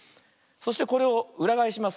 そしてこれをうらがえします。